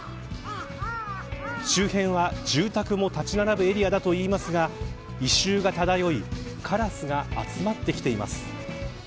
周辺は住宅も立ち並ぶエリアだといいますが異臭が漂いカラスが集まってきています。